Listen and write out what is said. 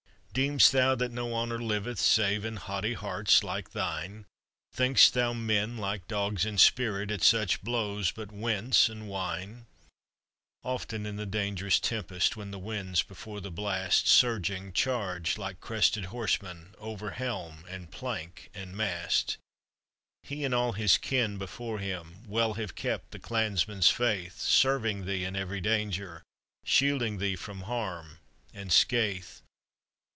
Deem'st thou that no honor liveth, Save in haughty hearts like thine? Think'st thou men, like dogs in spirit, At such blows but wince and whine? Often, in the dangerous tempest, When the winds before the blast, Surging, charged like crested horsemen Over helm, and plank, and mast, He, and all his kin before him, Well have kept the clansman's faith, Serving thee in every danger, Shielding thee from harm and skaith.